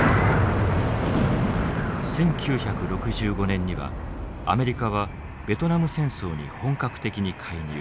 １９６５年にはアメリカはベトナム戦争に本格的に介入。